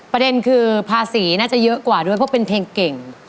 ประเด็นคือภาษีน่าจะเยอะกว่าด้วยเพราะเป็นเพลงเก่ง